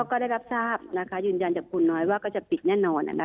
ก็ได้รับทราบยืนยันขอคุณน้อยจะปิดแน่นอน